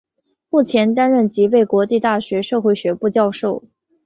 目前担任吉备国际大学社会学部教授。